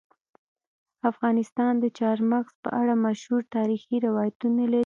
افغانستان د چار مغز په اړه مشهور تاریخی روایتونه لري.